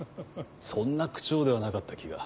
そんな口調ではなかった気が。